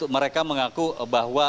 mereka mengaku bahwa